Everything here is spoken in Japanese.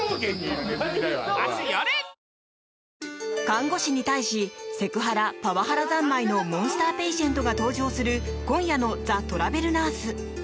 看護師に対しセクハラ・パワハラ三昧のモンスターペイシェントが登場する今夜の「ザ・トラベルナース」。